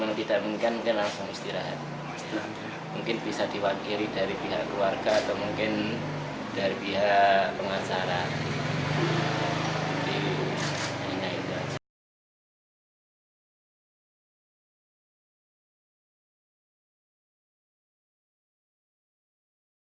menurut humas pompes al mu'min ngeruki mukson sampai saat ini proses belajar mengajar masih berlangsung normal